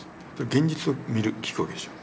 現実を見る聞くわけでしょ。